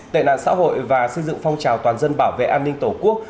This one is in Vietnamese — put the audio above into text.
tệ nạn xã hội và xây dựng phong trào toàn dân bảo vệ an ninh tổ quốc